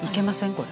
これ。